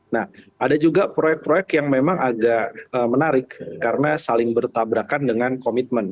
nah ada juga proyek proyek yang memang agak menarik karena saling bertabrakan dengan komitmen